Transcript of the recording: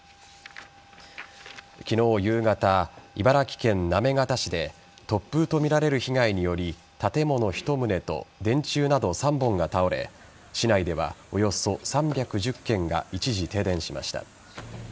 昨日夕方茨城県行方市で突風とみられる被害により建物１棟と電柱など３本が倒れ市内では、およそ３１０軒が一時停電しました。